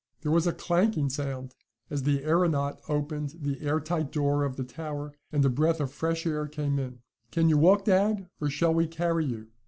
There was a clanking sound as the aeronaut opened the airtight door of the tower, and a breath of fresh air came in. "Can you walk, dad, or shall we carry you?"